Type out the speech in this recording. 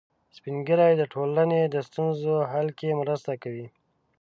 سپین ږیری د ټولنې د ستونزو حل کې مرسته کوي